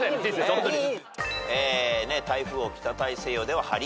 ホントに。